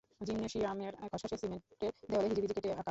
জিমনেশিয়ামের খসখসে সিমেন্টের দেয়ালে হিজিবিজি কেটে আঁকা।